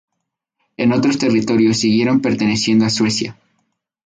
Los otros territorios siguieron perteneciendo a Suecia.